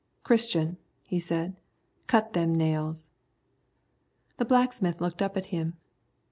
"Christian," he said, "cut them nails." The blacksmith looked up at him.